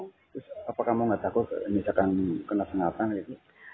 terus apa kamu gak takut misalkan kena kenakan gitu